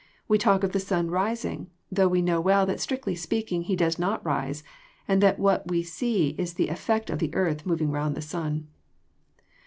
We talk of the sun "rising," though we know well that strictly speaking he does not rise, and that what we see is the effect of the earth moving round the sun.